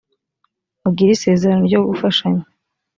mugire isezerano ryo gufashanya.